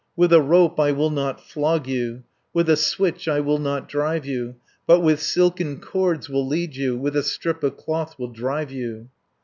With a rope I will not flog you, With a switch I will not drive you, 340 But with silken cords will lead you, With a strip of cloth will drive you."